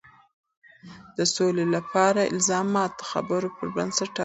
د سولې لپاره الزامات د خبرو پر بنسټ ټاکل شوي.